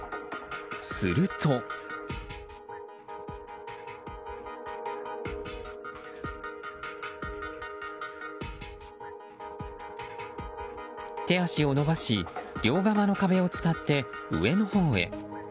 すると、手足を伸ばし両側の壁を伝って上のほうへ。